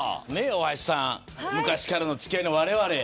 大橋さん、昔からの付き合いのわれわれ。